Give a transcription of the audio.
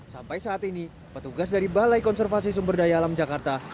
sampai saat ini petugas dari balai konservasi sumber daya alam jakarta